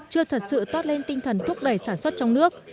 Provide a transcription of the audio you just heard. chưa thật sự toát lên tinh thần thúc đẩy sản xuất trong nước